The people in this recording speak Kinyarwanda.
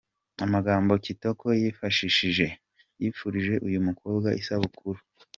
Amagambo Kitoko yifashishije yifuriza uyu mukobwa isabukuru.